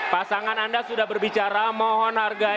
pasangan anda sudah berbicara mohon hargai